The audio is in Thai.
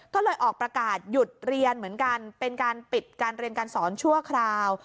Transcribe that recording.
ก็เลยออกประกาศหยุดเรียนเหมือนกันเป็นการปิดการเรียนการสอนชั่วคราว